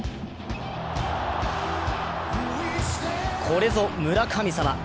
これぞ村神様！